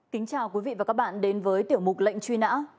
kính chào quý vị và các bạn đến với tiểu mục lệnh truy nã